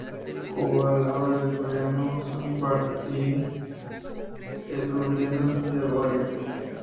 Jugó al lado del coreano Ji-Sung Park y el colombiano Santiago Arias.